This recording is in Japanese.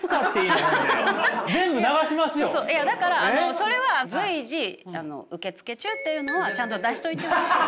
これさだからそれは随時受付中っていうのはちゃんと出しといて。